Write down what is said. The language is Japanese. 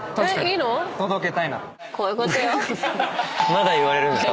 まだ言われるんですか？